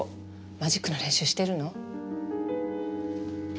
マジックの練習してるの？